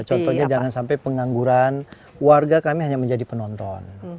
contohnya jangan sampai pengangguran warga kami hanya menjadi penonton